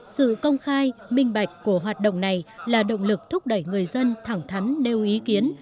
sự công khai minh bạch của hoạt động này là động lực thúc đẩy người dân thẳng thắn nêu ý kiến